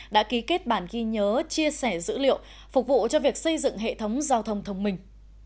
đã ký kết bản ghi nhớ chia sẻ dữ liệu phục vụ cho việc xây dựng hệ thống giao thông thông minh